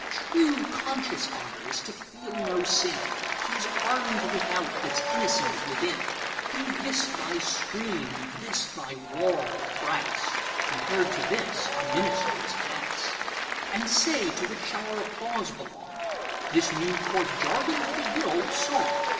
'True, conscious Honour is to feel no sin; He's arm'd without that 's innocent within:Be this thy screen, and this thy wall of brass; Compared to this a Minister's an Ass.And say, to which shall our applause belong, This new Court jargon, or the good old song?